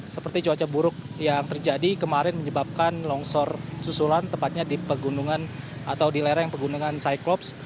seperti cuaca buruk yang terjadi kemarin menyebabkan longsor susulan tepatnya di pegunungan atau di lereng pegunungan cyclops